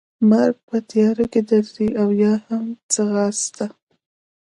مرګ، په تیارې کې ډزې او یا هم ځغاسته.